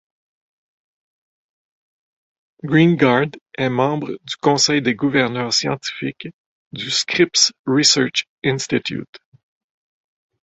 Greengard est membre du conseil des gouverneurs scientifiques du Scripps Research Institute.